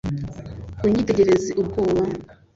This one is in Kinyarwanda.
unyitegereze ubwoba